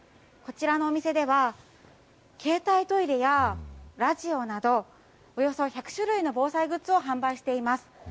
こちらのお店では、携帯トイレやラジオなど、およそ１００種類の防災グッズを販売しています。